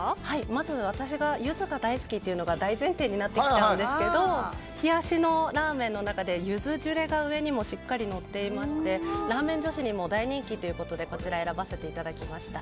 まず私がユズが大好きというのが大前提になってきちゃうんですけど冷やしのラーメンの中でユズジュレが上にもしっかりのっていましてラーメン女子にも大人気ということでこちら選ばせていただきました。